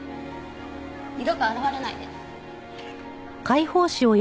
二度と現れないで。